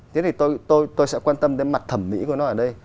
thế thì tôi sẽ quan tâm đến mặt thẩm mỹ của nó ở đây